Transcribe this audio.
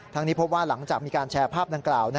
นี้พบว่าหลังจากมีการแชร์ภาพดังกล่าว